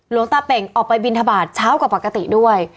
หลวงตาเป่งออกไปบินทบาทเช้ากว่าปกติด้วย